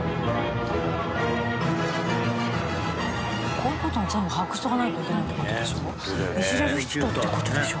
こういう事も全部把握しておかないといけないっていう事でしょ？